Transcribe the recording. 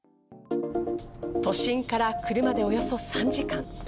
都心から車でおよそ３時間。